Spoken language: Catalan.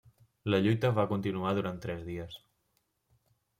La lluita va continuar durant tres dies.